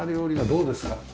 どうですか？